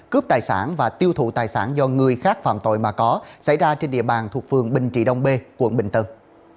cướp tài sản và tiêu thụ tài sản do người khác phạm tội mà có xảy ra trên địa bàn thuộc phường bình trị đông b tp hcm